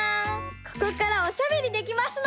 ここからおしゃべりできますの！